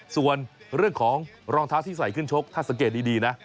ส่วนเรื่องของรองเท้าที่ใส่ขึ้นชกถ้าสังเกตดีนะ